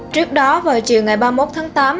trước đó vào chiều ngày ba mươi một tháng tám